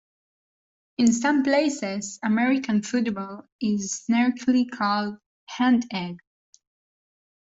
In some places, American football is snarkily called hand-egg.